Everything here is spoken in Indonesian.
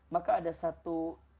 maka ada satu